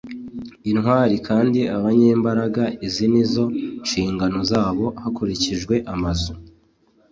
intwari kandi abanyembaraga izi ni zo nshingano zabo hakurikijwe amazu